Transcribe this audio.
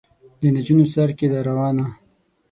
د نجونو سر کې ده روانه.